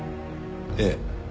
ええ。